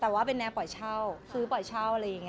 แต่ว่าเป็นแนวปล่อยเช่า